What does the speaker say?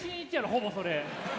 ほぼそれ。